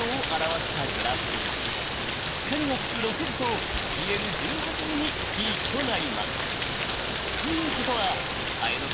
光がつく６時と消える１８時にピークとなります。